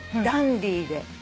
ダンディーで。